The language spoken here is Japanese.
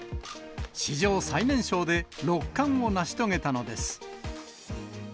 史上最年少で六冠を成し遂げたのです。